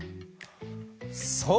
そう！